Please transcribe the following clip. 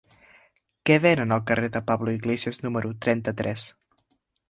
Què venen al carrer de Pablo Iglesias número trenta-tres?